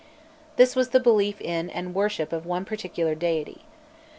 This was the belief in and the worship of one particular deity.